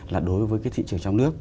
là đối với cái thị trường trong nước